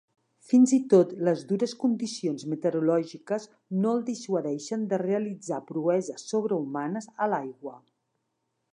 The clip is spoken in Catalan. Fins i tot les dures condicions meteorològiques no el dissuadeixen de realitzar proeses sobrehumanes a l'aigua.